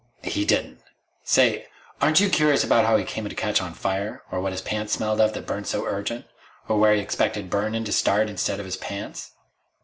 "He didn't. Say aren't you curious about how he came to catch on fire? Or what his pants smelled of that burned so urgent? Or where he expected burnin' to start instead of his pants?"